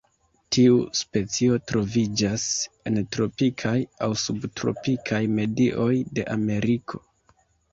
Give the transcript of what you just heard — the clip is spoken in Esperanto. Tiu specio troviĝas en tropikaj aŭ subtropikaj medioj de Ameriko.